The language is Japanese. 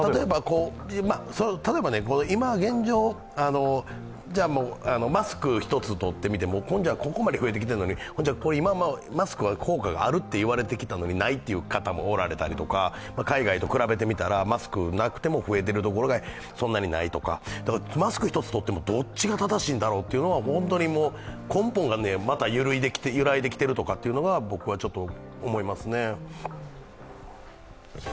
例えば、今現状、マスク１つとってみても、ここまで増えてきてるのに今、マスクは効果があると言われてきたのにないと言う方もおられたりとか海外と比べてみたら、マスクがなくても増えているところがそんなにないとか、マスク１つとってもどっちが正しいんだろうというのも根本がまた揺らいできているとかというのが僕は思いますね。